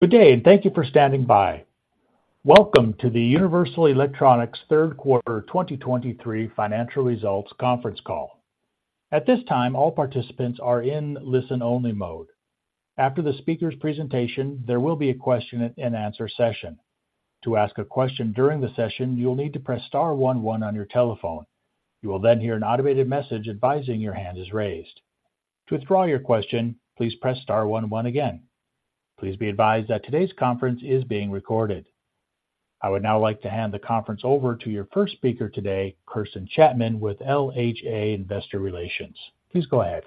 Good day, and thank you for standing by. Welcome to the Universal Electronics third quarter 2023 financial results conference call. At this time, all participants are in listen-only mode. After the speaker's presentation, there will be a question and answer session. To ask a question during the session, you will need to press star one one on your telephone. You will then hear an automated message advising your hand is raised. To withdraw your question, please press star one one again. Please be advised that today's conference is being recorded. I would now like to hand the conference over to your first speaker today, Kirsten Chapman with LHA Investor Relations. Please go ahead.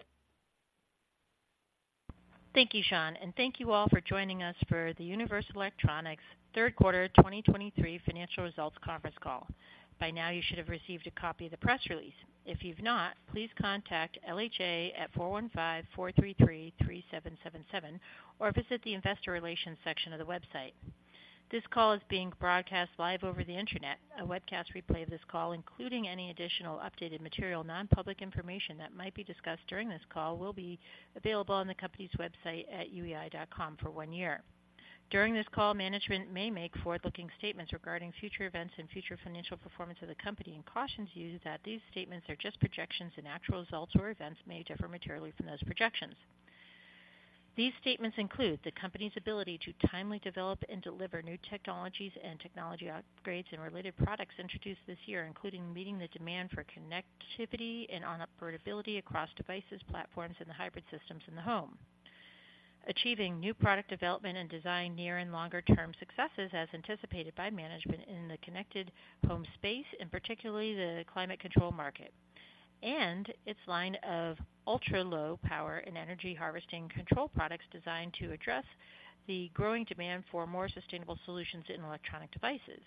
Thank you, Sean, and thank you all for joining us for the Universal Electronics third quarter 2023 financial results conference call. By now, you should have received a copy of the press release. If you've not, please contact LHA at 415-433-3777, or visit the investor relations section of the website. This call is being broadcast live over the internet. A webcast replay of this call, including any additional updated material, non-public information that might be discussed during this call, will be available on the company's website at uei.com for one year. During this call, management may make forward-looking statements regarding future events and future financial performance of the company and cautions you that these statements are just projections, and actual results or events may differ materially from those projections. These statements include the company's ability to timely develop and deliver new technologies and technology upgrades and related products introduced this year, including meeting the demand for connectivity and operability across devices, platforms, and the hybrid systems in the home. Achieving new product development and design near and longer-term successes as anticipated by management in the connected home space, and particularly the climate control market. Its line of ultra-low power and energy harvesting control products designed to address the growing demand for more sustainable solutions in electronic devices.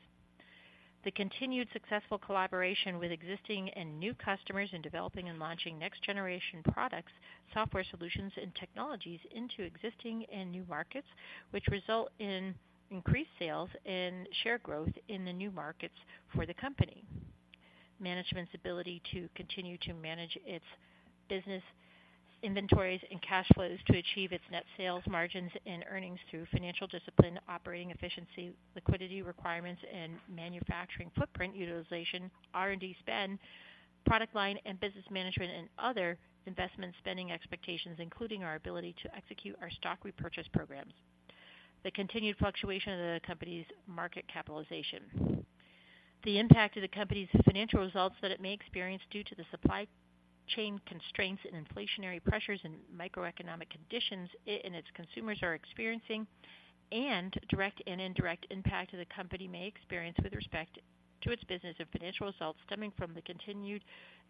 The continued successful collaboration with existing and new customers in developing and launching next-generation products, software solutions, and technologies into existing and new markets, which result in increased sales and share growth in the new markets for the company. Management's ability to continue to manage its business inventories and cash flows to achieve its net sales margins and earnings through financial discipline, operating efficiency, liquidity requirements and manufacturing footprint utilization, R&D spend, product line and business management, and other investment spending expectations, including our ability to execute our stock repurchase programs. The continued fluctuation of the company's market capitalization. The impact of the company's financial results that it may experience due to the supply chain constraints and inflationary pressures and microeconomic conditions it and its consumers are experiencing, and direct and indirect impact that the company may experience with respect to its business and financial results stemming from the continued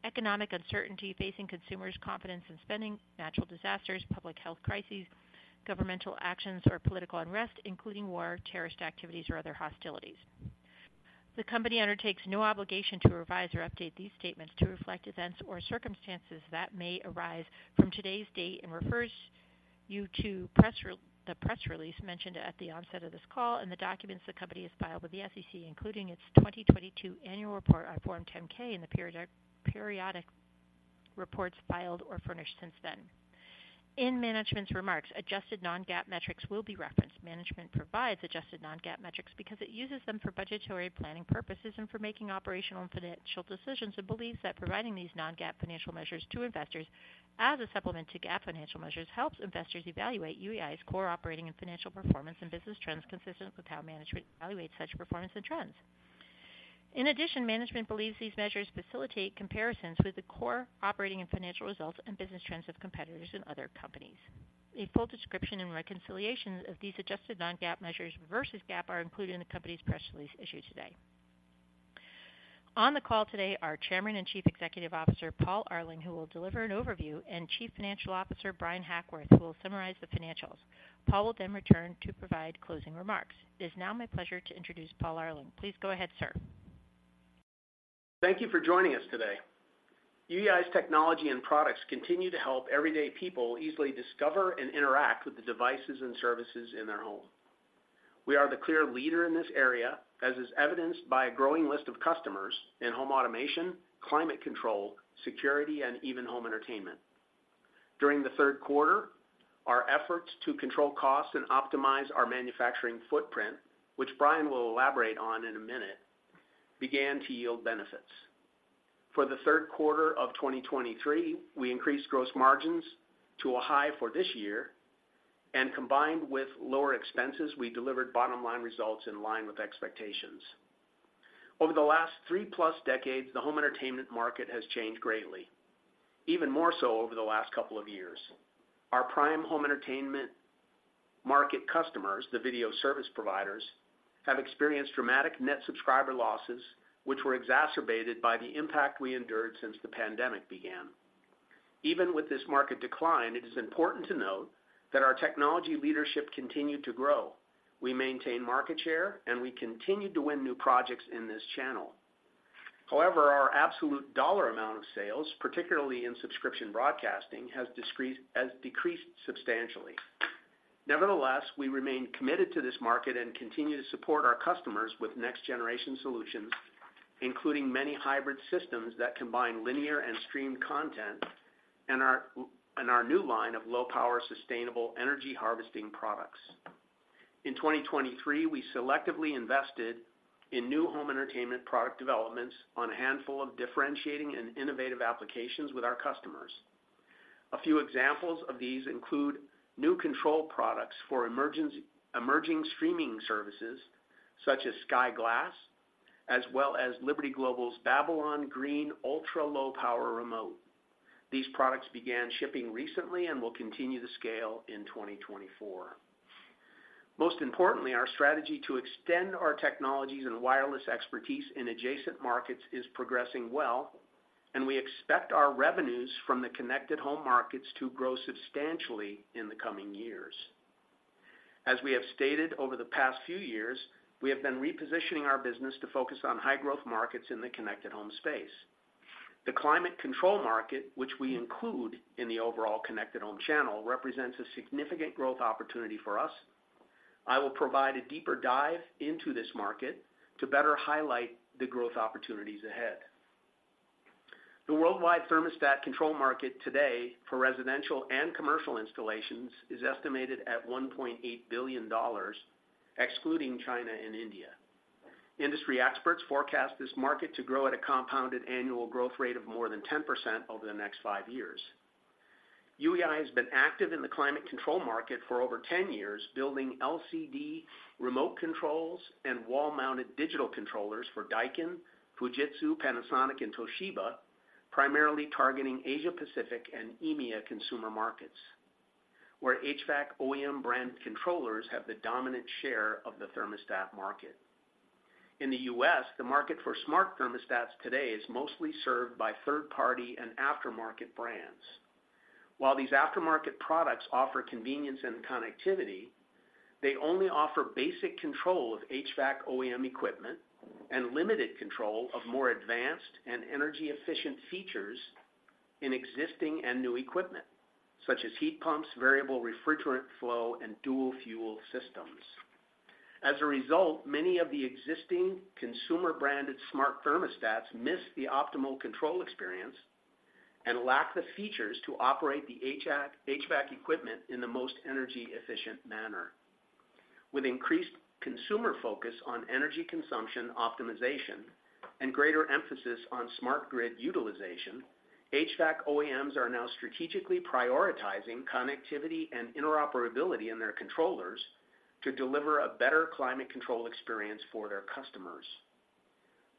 economic uncertainty facing consumers' confidence in spending, natural disasters, public health crises, governmental actions or political unrest, including war, terrorist activities, or other hostilities. The company undertakes no obligation to revise or update these statements to reflect events or circumstances that may arise from today's date and refers you to the press release mentioned at the onset of this call and the documents the company has filed with the SEC, including its 2022 annual report on Form 10-K, and the periodic reports filed or furnished since then. In management's remarks, adjusted non-GAAP metrics will be referenced. Management provides adjusted non-GAAP metrics because it uses them for budgetary planning purposes and for making operational and financial decisions, and believes that providing these non-GAAP financial measures to investors as a supplement to GAAP financial measures helps investors evaluate UEI's core operating and financial performance and business trends, consistent with how management evaluates such performance and trends. In addition, management believes these measures facilitate comparisons with the core operating and financial results and business trends of competitors and other companies. A full description and reconciliation of these adjusted non-GAAP measures versus GAAP are included in the company's press release issued today. On the call today are Chairman and Chief Executive Officer Paul Arling, who will deliver an overview, and Chief Financial Officer Bryan Hackworth, who will summarize the financials. Paul will then return to provide closing remarks. It is now my pleasure to introduce Paul Arling. Please go ahead, sir. Thank you for joining us today. UEI's technology and products continue to help everyday people easily discover and interact with the devices and services in their home. We are the clear leader in this area, as is evidenced by a growing list of customers in home automation, climate control, security, and even home entertainment. During the third quarter, our efforts to control costs and optimize our manufacturing footprint, which Bryan will elaborate on in a minute, began to yield benefits. For the third quarter of 2023, we increased gross margins to a high for this year, and combined with lower expenses, we delivered bottom-line results in line with expectations. Over the last 3 plus decades, the home entertainment market has changed greatly, even more so over the last couple of years. Our prime home entertainment market customers, the video service providers, have experienced dramatic net subscriber losses, which were exacerbated by the impact we endured since the pandemic began. Even with this market decline, it is important to note that our technology leadership continued to grow. We maintain market share, and we continued to win new projects in this channel. However, our absolute dollar amount of sales, particularly in subscription broadcasting, has decreased substantially. Nevertheless, we remain committed to this market and continue to support our customers with next-generation solutions, including many hybrid systems that combine linear and streamed content and our new line of low power, sustainable energy harvesting products. In 2023, we selectively invested in new home entertainment product developments on a handful of differentiating and innovative applications with our customers. A few examples of these include new control products for emerging streaming services, such as Sky Glass, as well as Liberty Global's Babylon Green ultra-low power remote. These products began shipping recently and will continue to scale in 2024. Most importantly, our strategy to extend our technologies and wireless expertise in adjacent markets is progressing well, and we expect our revenues from the connected home markets to grow substantially in the coming years. As we have stated over the past few years, we have been repositioning our business to focus on high growth markets in the connected home space. The climate control market, which we include in the overall connected home channel, represents a significant growth opportunity for us. I will provide a deeper dive into this market to better highlight the growth opportunities ahead. The worldwide thermostat control market today for residential and commercial installations is estimated at $1.8 billion, excluding China and India. Industry experts forecast this market to grow at a compounded annual growth rate of more than 10% over the next 5 years. UEI has been active in the climate control market for over 10 years, building LCD remote controls and wall-mounted digital controllers for Daikin, Fujitsu, Panasonic, and Toshiba, primarily targeting Asia Pacific and EMEA consumer markets, where HVAC OEM brand controllers have the dominant share of the thermostat market. In the U.S., the market for smart thermostats today is mostly served by third-party and aftermarket brands. While these aftermarket products offer convenience and connectivity, they only offer basic control of HVAC OEM equipment and limited control of more advanced and energy efficient features in existing and new equipment, such as heat pumps, variable refrigerant flow, and dual fuel systems. As a result, many of the existing consumer-branded smart thermostats miss the optimal control experience and lack the features to operate the HVAC equipment in the most energy efficient manner. With increased consumer focus on energy consumption optimization and greater emphasis on smart grid utilization, HVAC OEMs are now strategically prioritizing connectivity and interoperability in their controllers to deliver a better climate control experience for their customers.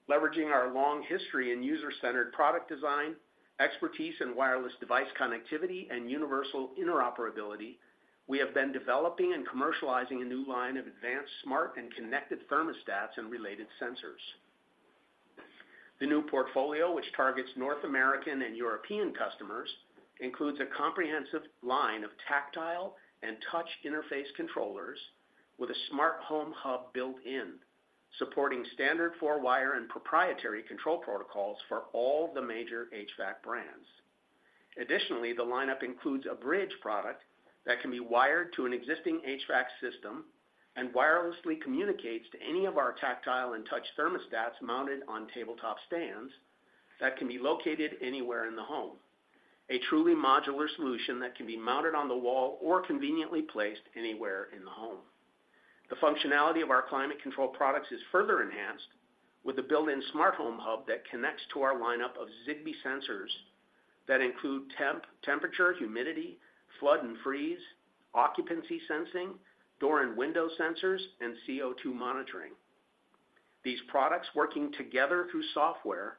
Leveraging our long history in user-centered product design, expertise in wireless device connectivity, and universal interoperability, we have been developing and commercializing a new line of advanced, smart, and connected thermostats and related sensors. The new portfolio, which targets North American and European customers, includes a comprehensive line of tactile and touch interface controllers with a smart home hub built in, supporting standard four-wire and proprietary control protocols for all the major HVAC brands. Additionally, the lineup includes a bridge product that can be wired to an existing HVAC system and wirelessly communicates to any of our tactile and touch thermostats mounted on tabletop stands that can be located anywhere in the home. A truly modular solution that can be mounted on the wall or conveniently placed anywhere in the home. The functionality of our climate control products is further enhanced with a built-in smart home hub that connects to our lineup of Zigbee sensors that include temperature, humidity, flood and freeze, occupancy sensing, door and window sensors, and CO₂ monitoring. These products, working together through software,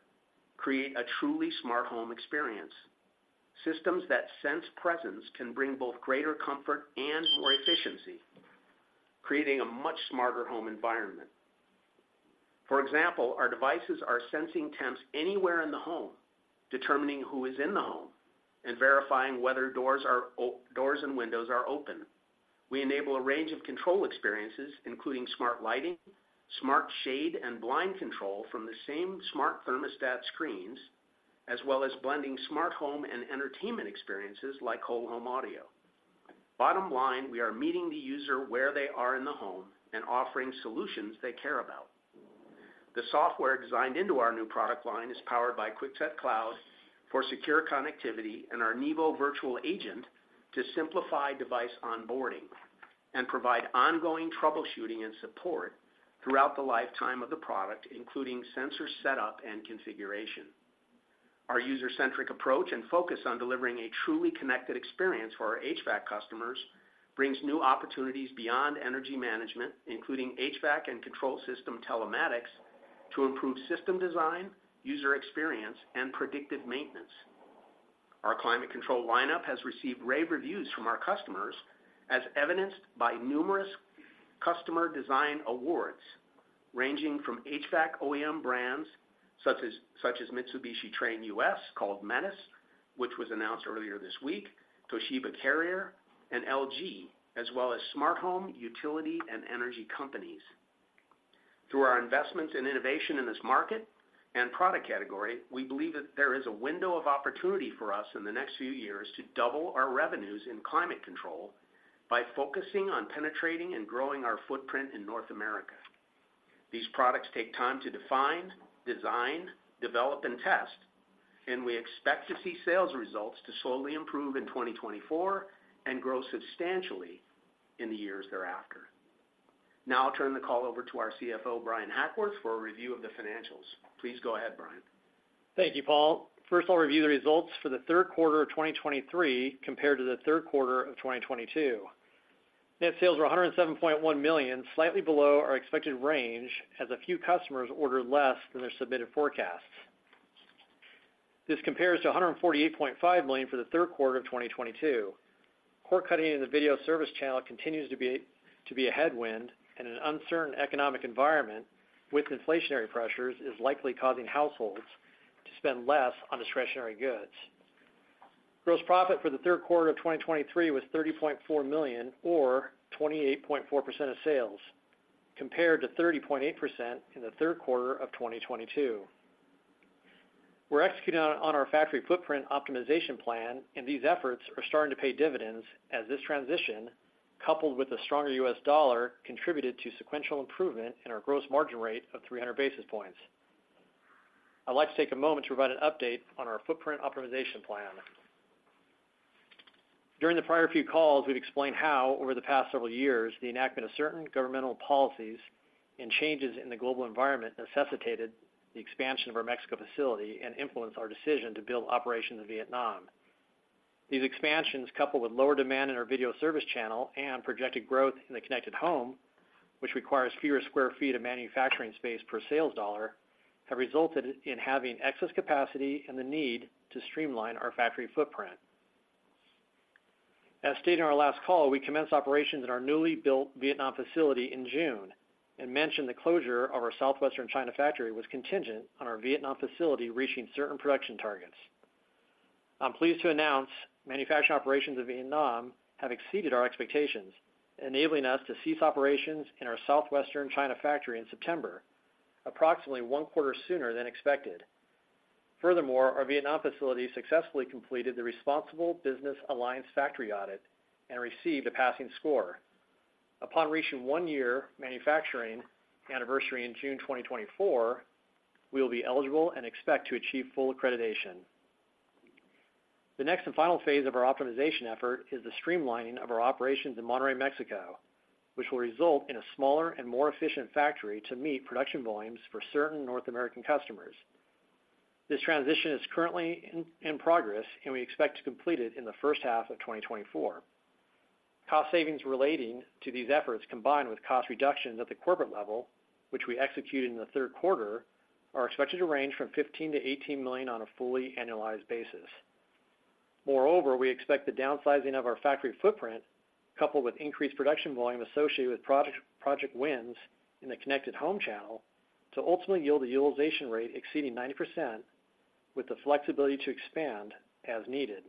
create a truly smart home experience. Systems that sense presence can bring both greater comfort and more efficiency, creating a much smarter home environment. For example, our devices are sensing temps anywhere in the home, determining who is in the home, and verifying whether doors and windows are open. We enable a range of control experiences, including smart lighting, smart shade, and blind control from the same smart thermostat screens, as well as blending smart home and entertainment experiences like whole home audio. Bottom line, we are meeting the user where they are in the home and offering solutions they care about. The software designed into our new product line is powered by QuickSet Cloud for secure connectivity and our Nevo Virtual Agent to simplify device onboarding and provide ongoing troubleshooting and support throughout the lifetime of the product, including sensor setup and configuration. Our user-centric approach and focus on delivering a truly connected experience for our HVAC customers brings new opportunities beyond energy management, including HVAC and control system telematics, to improve system design, user experience, and predictive maintenance. Our climate control lineup has received rave reviews from our customers, as evidenced by numerous customer design awards, ranging from HVAC OEM brands such as Mitsubishi Electric Trane US, called METUS, which was announced earlier this week, Toshiba Carrier and LG, as well as smart home, utility, and energy companies. Through our investments in innovation in this market and product category, we believe that there is a window of opportunity for us in the next few years to double our revenues in climate control by focusing on penetrating and growing our footprint in North America These products take time to define, design, develop, and test, and we expect to see sales results to slowly improve in 2024 and grow substantially in the years thereafter. Now I'll turn the call over to our CFO, Bryan Hackworth, for a review of the financials. Please go ahead, Bryan. Thank you, Paul. First, I'll review the results for the third quarter of 2023 compared to the third quarter of 2022. Net sales were $107.1 million, slightly below our expected range, as a few customers ordered less than their submitted forecasts. This compares to $148.5 million for the third quarter of 2022. Cord cutting in the video service channel continues to be a headwind and an uncertain economic environment, with inflationary pressures is likely causing households to spend less on discretionary goods. Gross profit for the third quarter of 2023 was $30.4 million or 28.4% of sales, compared to 30.8% in the third quarter of 2022. We're executing on our factory footprint optimization plan, and these efforts are starting to pay dividends as this transition, coupled with a stronger U.S. dollar, contributed to sequential improvement in our gross margin rate of 300 basis points. I'd like to take a moment to provide an update on our footprint optimization plan. During the prior few calls, we've explained how, over the past several years, the enactment of certain governmental policies and changes in the global environment necessitated the expansion of our Mexico facility and influenced our decision to build operations in Vietnam. These expansions, coupled with lower demand in our video service channel and projected growth in the connected home, which requires fewer square feet of manufacturing space per sales dollar, have resulted in having excess capacity and the need to streamline our factory footprint. As stated in our last call, we commenced operations in our newly built Vietnam facility in June and mentioned the closure of our southwestern China factory was contingent on our Vietnam facility reaching certain production targets. I'm pleased to announce manufacturing operations in Vietnam have exceeded our expectations, enabling us to cease operations in our southwestern China factory in September, approximately one quarter sooner than expected. Furthermore, our Vietnam facility successfully completed the Responsible Business Alliance factory audit and received a passing score. Upon reaching one year manufacturing anniversary in June 2024, we will be eligible and expect to achieve full accreditation. The next and final phase of our optimization effort is the streamlining of our operations in Monterrey, Mexico, which will result in a smaller and more efficient factory to meet production volumes for certain North American customers. This transition is currently in progress, and we expect to complete it in the first half of 2024. Cost savings relating to these efforts, combined with cost reductions at the corporate level, which we executed in the third quarter, are expected to range from $15-$18 million on a fully annualized basis. Moreover, we expect the downsizing of our factory footprint, coupled with increased production volume associated with project wins in the connected home channel, to ultimately yield a utilization rate exceeding 90%, with the flexibility to expand as needed.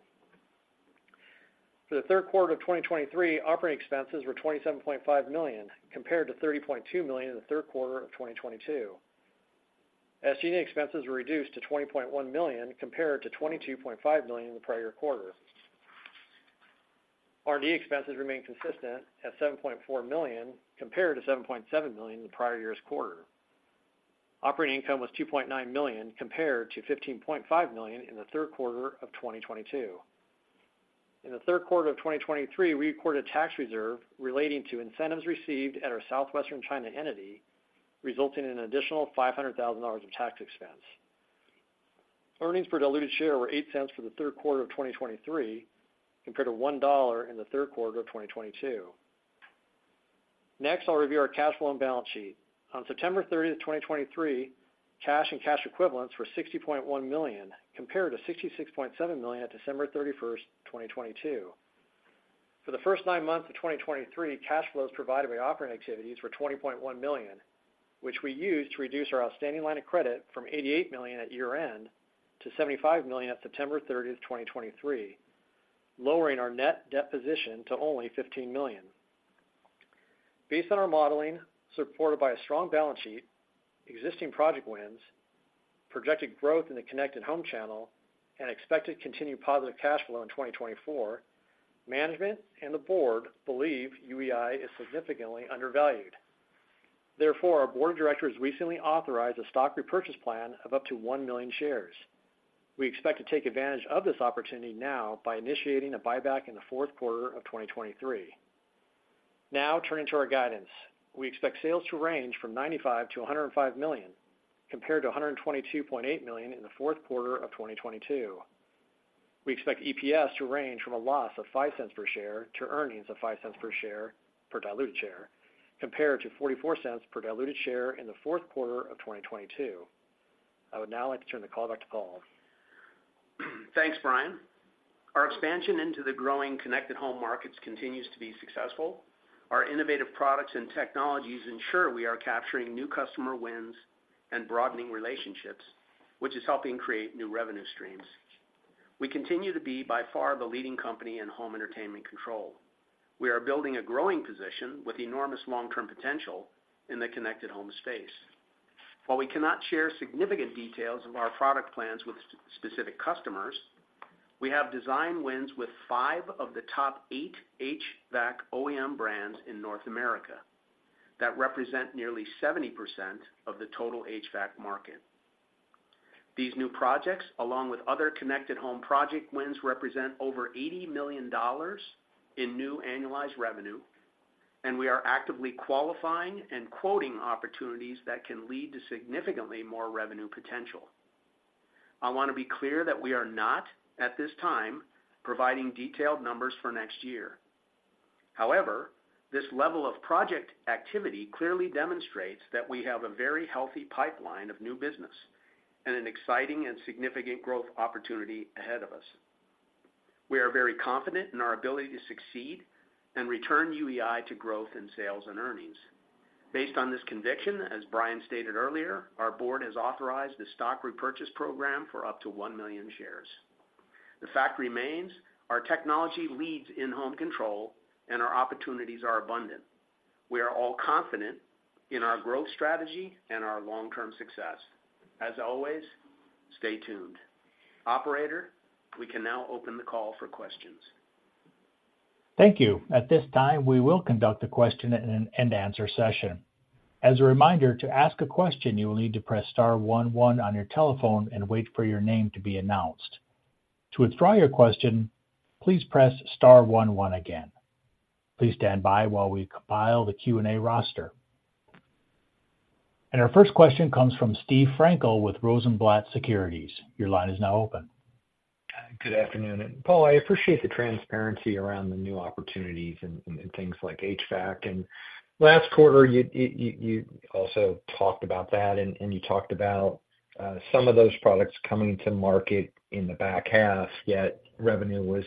For the third quarter of 2023, operating expenses were $27.5 million, compared to $30.2 million in the third quarter of 2022. SG&A expenses were reduced to $20.1 million, compared to $22.5 million in the prior quarter. R&D expenses remained consistent at $7.4 million, compared to $7.7 million in the prior year's quarter. Operating income was $2.9 million, compared to $15.5 million in the third quarter of 2022. In the third quarter of 2023, we recorded a tax reserve relating to incentives received at our Southwestern China entity, resulting in an additional $500,000 of tax expense. Earnings per diluted share were $0.08 for the third quarter of 2023, compared to $1 in the third quarter of 2022. Next, I'll review our cash flow and balance sheet. On September 13, 2023, cash and cash equivalents were $60.1 million, compared to $66.7 million on December thirty-first, 2022. For the first nine months of 2023, cash flows provided by operating activities were $20.1 million, which we used to reduce our outstanding line of credit from $88 million at year-end to $75 million on September 30, 2023, lowering our net debt position to only $15 million. Based on our modeling, supported by a strong balance sheet, existing project wins, projected growth in the connected home channel, and expected continued positive cash flow in 2024, management and the board believe UEI is significantly undervalued. Therefore, our board of directors recently authorized a stock repurchase plan of up to 1 million shares. We expect to take advantage of this opportunity now by initiating a buyback in the fourth quarter of 2023. Now, turning to our guidance. We expect sales to range from $95 million-$105 million, compared to $122.8 million in the fourth quarter of 2022. We expect EPS to range from a loss of $0.05 per share to earnings of $0.05 per share per diluted share, compared to $0.44 per diluted share in the fourth quarter of 2022. I would now like to turn the call back to Paul. Thanks, Bryan. Our expansion into the growing connected home markets continues to be successful. Our innovative products and technologies ensure we are capturing new customer wins and broadening relationships, which is helping create new revenue streams. We continue to be, by far, the leading company in home entertainment control. We are building a growing position with enormous long-term potential in the connected home space while we cannot share significant details of our product plans with specific customers, we have design wins with 5 of the top 8 HVAC OEM brands in North America that represent nearly 70% of the total HVAC market. These new projects, along with other connected home project wins, represent over $80 million in new annualized revenue, and we are actively qualifying and quoting opportunities that can lead to significantly more revenue potential. I want to be clear that we are not, at this time, providing detailed numbers for next year. However, this level of project activity clearly demonstrates that we have a very healthy pipeline of new business and an exciting and significant growth opportunity ahead of us. We are very confident in our ability to succeed and return UEI to growth in sales and earnings. Based on this conviction, as Bryan stated earlier, our board has authorized a stock repurchase program for up to 1 million shares. The fact remains, our technology leads in home control and our opportunities are abundant. We are all confident in our growth strategy and our long-term success. As always, stay tuned. Operator, we can now open the call for questions. Thank you. At this time, we will conduct a question and answer session. As a reminder, to ask a question, you will need to press star one, one on your telephone and wait for your name to be announced. To withdraw your question, please press star one, one again. Please stand by while we compile the Q&A roster. Our first question comes from Steve Frankel with Rosenblatt Securities. Your line is now open. Good afternoon. Paul, I appreciate the transparency around the new opportunities and things like HVAC. Last quarter, you also talked about that, and you talked about some of those products coming to market in the back half, yet revenue was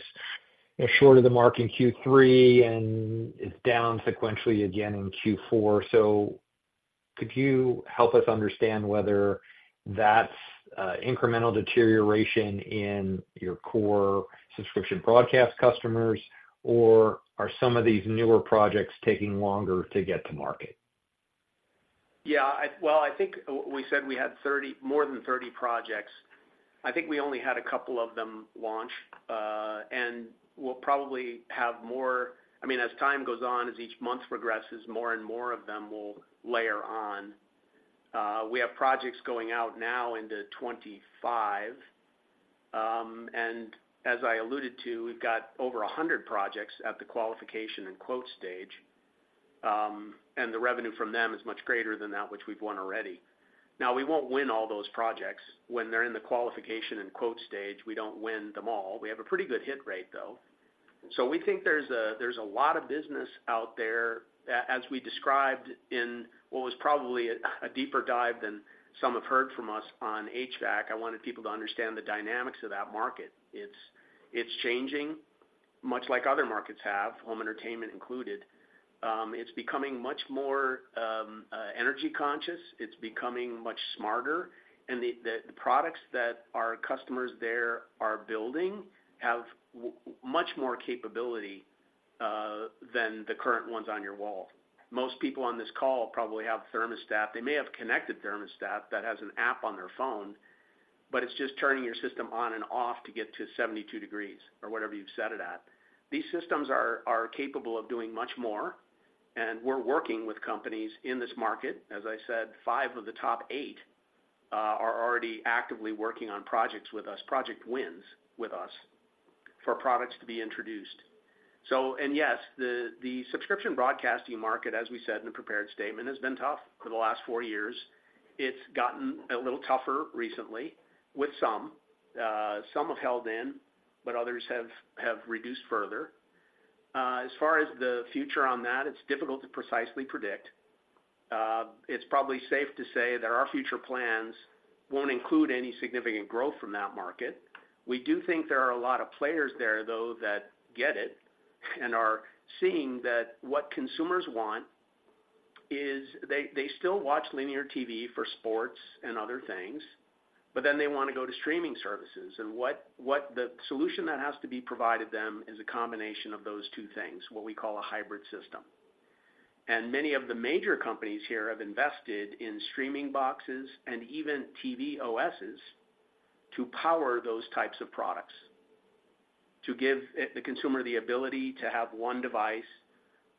short of the mark in Q3 and is down sequentially again in Q4. So could you help us understand whether that's incremental deterioration in your core subscription broadcast customers, or are some of these newer projects taking longer to get to market? Yeah, well, I think we said we had more than 30 projects. I think we only had a couple of them launch, and we'll probably have more. I mean, as time goes on, as each month progresses, more and more of them will layer on. We have projects going out now into 2025. And as I alluded to, we've got over 100 projects at the qualification and quote stage, and the revenue from them is much greater than that which we've won already. Now, we won't win all those projects. When they're in the qualification and quote stage, we don't win them all. We have a pretty good hit rate, though. So we think there's a lot of business out there as we described in what was probably a deeper dive than some have heard from us on HVAC. I wanted people to understand the dynamics of that market. It's changing, much like other markets have, home entertainment included. It's becoming much more energy conscious. It's becoming much smarter, and the products that our customers there are building have much more capability than the current ones on your wall. Most people on this call probably have thermostat. They may have connected thermostat that has an app on their phone, but it's just turning your system on and off to get to 72 degrees or whatever you've set it at. These systems are capable of doing much more, and we're working with companies in this market. As I said, five of the top eight are already actively working on projects with us, project wins with us, for products to be introduced. And yes, the subscription broadcasting market, as we said in the prepared statement, has been tough for the last four years. It's gotten a little tougher recently with some. Some have held in, but others have reduced further. As far as the future on that, it's difficult to precisely predict. It's probably safe to say that our future plans won't include any significant growth from that market. We do think there are a lot of players there, though, that get it and are seeing that what consumers want is they still watch linear TV for sports and other things, but then they want to go to streaming services. And what the solution that has to be provided them is a combination of those two things, what we call a hybrid system. And many of the major companies here have invested in streaming boxes and even TV OSs to power those types of products, to give the consumer the ability to have one device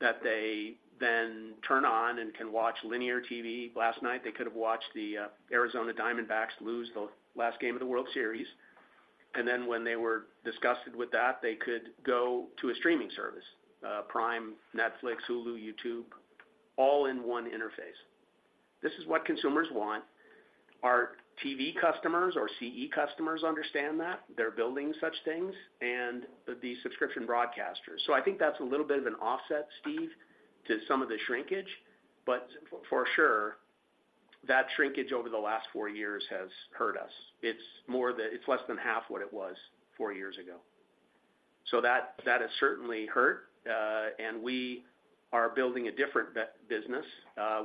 that they then turn on and can watch linear TV. Last night, they could have watched the Arizona Diamondbacks lose the last game of the World Series, and then when they were disgusted with that, they could go to a streaming service Prime, Netflix, Hulu, YouTube, all in one interface. This is what consumers want. Our TV customers, our CE customers understand that. They're building such things and the subscription broadcasters. So I think that's a little bit of an offset, Steve, to some of the shrinkage, but for sure, that shrinkage over the last four years has hurt us. It's less than half what it was four years ago. So that, that has certainly hurt, and we are building a different business.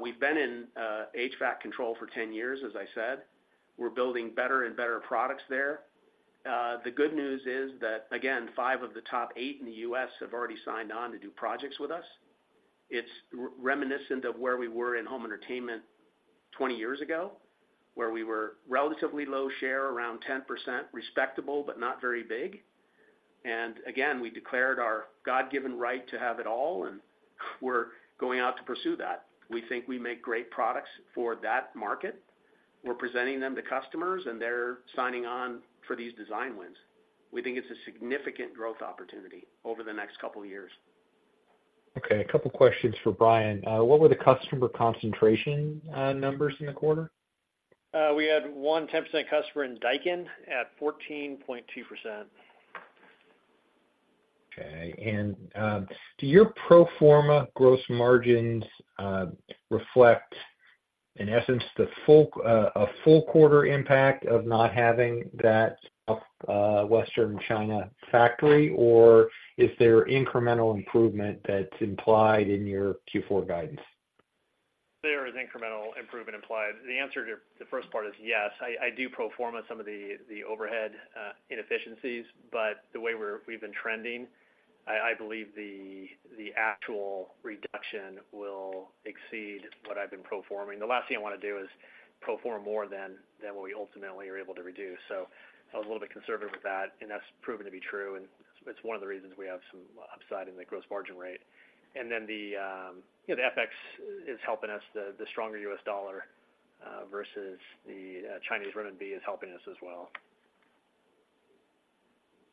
We've been in HVAC control for 10 years, as I said. We're building better and better products there. The good news is that, again, 5 of the top 8 in the U.S. have already signed on to do projects with us. It's reminiscent of where we were in home entertainment 20 years ago, where we were relatively low share, around 10%, respectable, but not very big. And again, we declared our God-given right to have it all, and we're going out to pursue that. We think we make great products for that market. We're presenting them to customers, and they're signing on for these design wins. We think it's a significant growth opportunity over the next couple of years. Okay, a couple questions for Bryan. What were the customer concentration numbers in the quarter? We had one 10% customer in Daikin at 14.2%. Okay. And, do your pro forma gross margins reflect, in essence, the full, a full quarter impact of not having that, Southwestern China factory? Or is there incremental improvement that's implied in your Q4 guidance? There is incremental improvement implied. The answer to the first part is yes, I do pro forma some of the overhead inefficiencies, but the way we've been trending, I believe the actual reduction will exceed what I've been pro formaing. The last thing I wanna do is pro forma more than what we ultimately are able to reduce. So I was a little bit conservative with that, and that's proven to be true, and it's one of the reasons we have some upside in the gross margin rate. And then, you know, the FX is helping us, the stronger U.S. dollar versus the Chinese renminbi is helping us as well.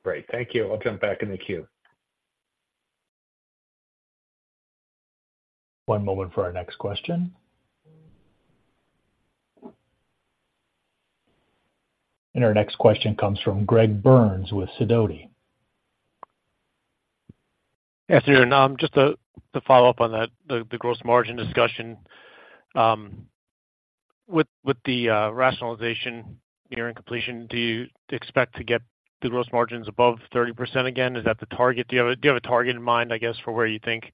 Great. Thank you. I'll jump back in the queue. One moment for our next question. Our next question comes from Greg Burns with Sidoti. Yeah, so, just to follow up on that, the gross margin discussion. With the rationalization nearing completion, do you expect to get the gross margins above 30% again? Is that the target? Do you have a target in mind, I guess, for where you think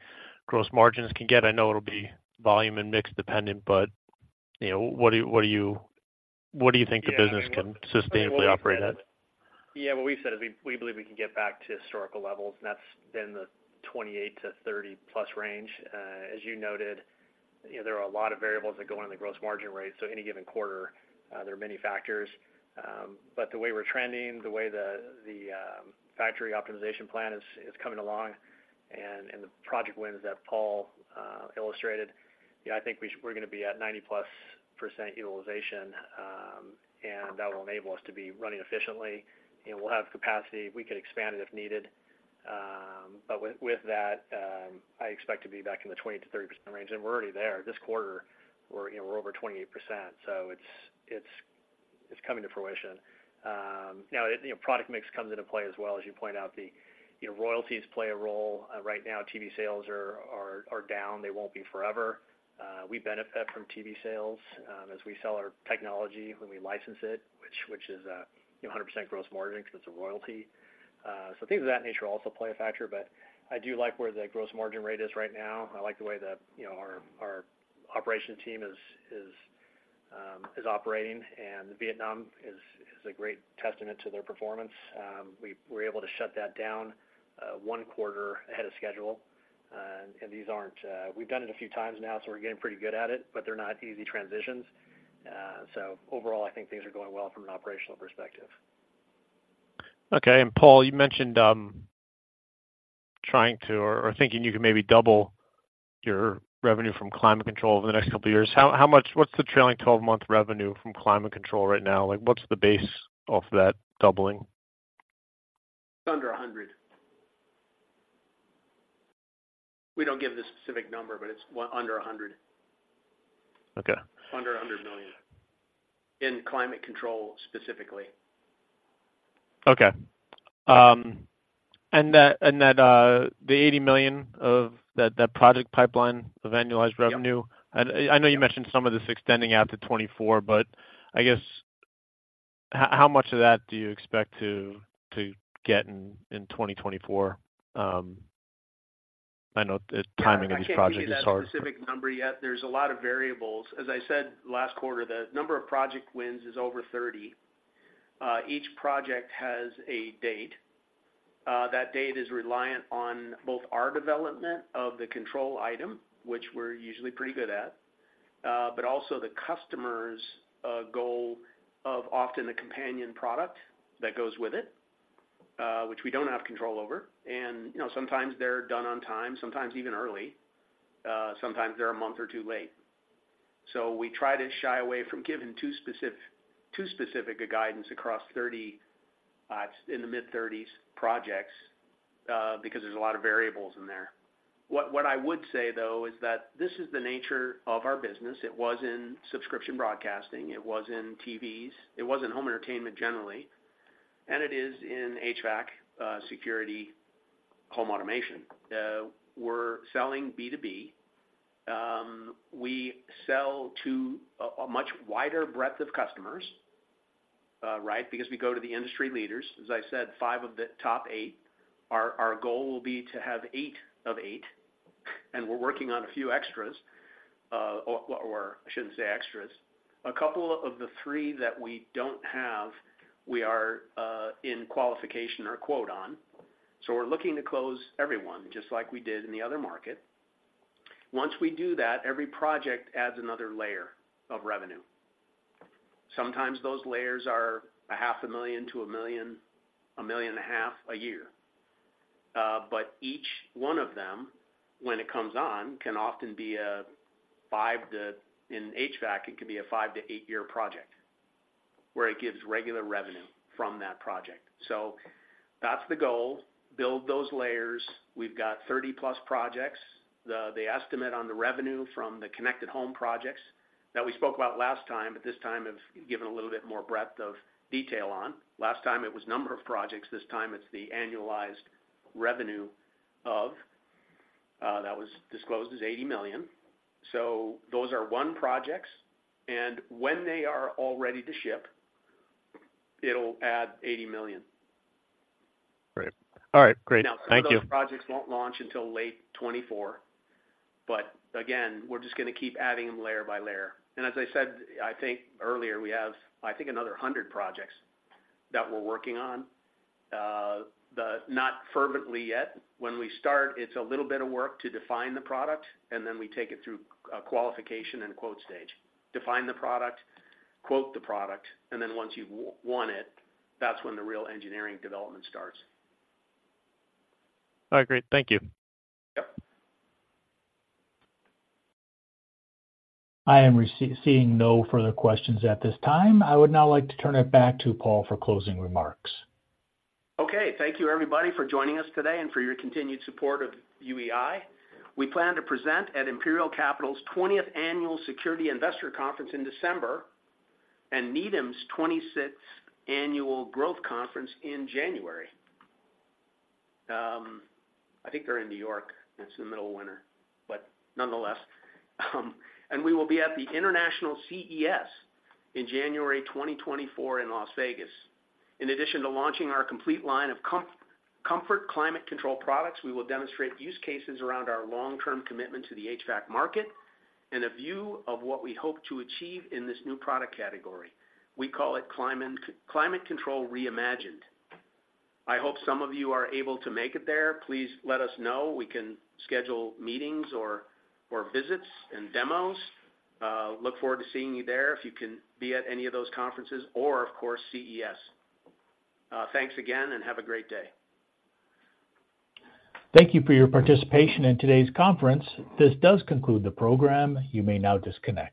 gross margins can get? I know it'll be volume and mix dependent, but, you know, what do you think the business can sustainably operate at? Yeah, what we said is we believe we can get back to historical levels, and that's in the 28-30 plus range. As you noted, you know, there are a lot of variables that go on in the gross margin rate, so any given quarter, there are many factors. But the way we're trending, the way the factory optimization plan is coming along and the project wins that Paul illustrated, you know, I think we're gonna be at 90 plus % utilization, and that will enable us to be running efficiently, and we'll have capacity. We could expand it if needed. But with that, I expect to be back in the 20%-30% range, and we're already there. This quarter, we're, you know, we're over 28%, so it's coming to fruition. Now, you know, product mix comes into play as well. As you point out, you know, royalties play a role. Right now, TV sales are down. They won't be forever. We benefit from TV sales, as we sell our technology, when we license it, which is, you know, 100% gross margin because it's a royalty. So things of that nature also play a factor, but I do like where the gross margin rate is right now. I like the way that, you know, our operations team is operating, and Vietnam is a great testament to their performance. We're able to shut that down one quarter ahead of schedule. And these aren't We've done it a few times now, so we're getting pretty good at it, but they're not easy transitions. So overall, I think things are going well from an operational perspective. Okay, and Paul, you mentioned trying to, or thinking you could maybe double your revenue from climate control over the next couple of years. How much? What's the trailing twelve-month revenue from climate control right now? Like, what's the base off that doubling? It's under 100. We don't give the specific number, but it's under 100. Okay. Under $100 million in climate control, specifically. Okay. And that $80 million of that project pipeline of annualized revenue- I know you mentioned some of this extending out to 2024, but I guess, how much of that do you expect to get in 2024? I know the timing of each project is hard. I can't give you that specific number yet. There's a lot of variables. As I said, last quarter, the number of project wins is over 30. Each project has a date. That date is reliant on both our development of the control item, which we're usually pretty good at, but also the customer's goal of often the companion product that goes with it, which we don't have control over. And, you know, sometimes they're done on time, sometimes even early, sometimes they're a month or 2 late. So we try to shy away from giving too specific, too specific a guidance across 30, in the mid-30s projects, because there's a lot of variables in there. What, what I would say, though, is that this is the nature of our business. It was in subscription broadcasting, it was in TVs, it was in home entertainment generally, and it is in HVAC, security, home automation. We're selling B2B. We sell to a much wider breadth of customers, right? Because we go to the industry leaders, as I said, five of the top eight. Our goal will be to have eight of eight and we're working on a few extras, or I shouldn't say extras. A couple of the three that we don't have, we are in qualification or quote on. So we're looking to close everyone, just like we did in the other market. Once we do that, every project adds another layer of revenue. Sometimes those layers are $500,000-$1 million, $1.5 million a year. But each one of them, when it comes on, can often be a 5-8-year project in HVAC, where it gives regular revenue from that project. So that's the goal, build those layers. We've got 30+ projects. The estimate on the revenue from the connected home projects that we spoke about last time, but this time have given a little bit more breadth of detail on. Last time it was number of projects, this time it's the annualized revenue of, that was disclosed as $80 million. So those are one projects, and when they are all ready to ship, it'll add $80 million. Great. All right, great. Thank you. Now, some of those projects won't launch until late 2024, but again, we're just gonna keep adding them layer by layer. And as I said, I think earlier, we have, I think, another 100 projects that we're working on, not fervently yet. When we start, it's a little bit of work to define the product, and then we take it through qualification and quote stage. Define the product, quote the product, and then once you've won it, that's when the real engineering development starts. All right, great. Thank you. Yep. I am seeing no further questions at this time. I would now like to turn it back to Paul for closing remarks. Okay, thank you, everybody, for joining us today and for your continued support of UEI. We plan to present at Imperial Capital's 20th Annual Security Investor Conference in December, and Needham's 26th Annual Growth Conference in January. I think they're in New York, and it's the middle of winter, but nonetheless. We will be at the International CES in January 2024, in Las Vegas. In addition to launching our complete line of comfort climate control products, we will demonstrate use cases around our long-term commitment to the HVAC market and a view of what we hope to achieve in this new product category. We call it climate, climate control reimagined. I hope some of you are able to make it there. Please let us know. We can schedule meetings or visits and demos. Look forward to seeing you there if you can be at any of those conferences or, of course, CES. Thanks again, and have a great day. Thank you for your participation in today's conference. This does conclude the program. You may now disconnect.